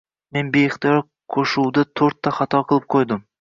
men beixtiyor qo‘shuvda to‘rtta xato qilib qo'ydim.